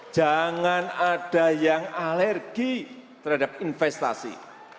jangan ada yang alergi terhadap investasi